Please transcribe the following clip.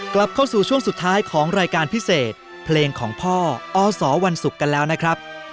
กลับเข้าสู่ช่วงสุดท้ายของรายการพิเศษเพลงของพ่ออสวันศุกร์กันแล้วนะครับ